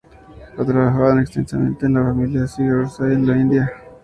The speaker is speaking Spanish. Ha trabajado extensamente en la familia Zingiberaceae de la India.